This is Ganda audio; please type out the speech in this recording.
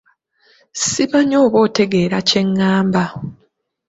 Simanyi oba otegeera kye ngamba.